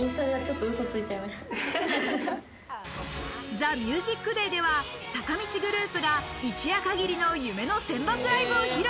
『ＴＨＥＭＵＳＩＣＤＡＹ』では、坂道グループが一夜限りの夢の選抜ライブを披露。